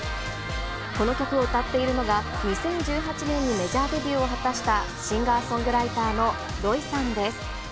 この曲を歌っているのが、２０１８年にメジャーデビューを果たした、シンガーソングライターのロイさんです。